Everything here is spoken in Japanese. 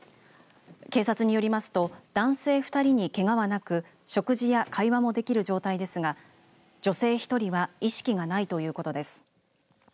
警察によりますと男性２人にけがはなく食事や会話もできる状態ですが女性１人は意識がないということです。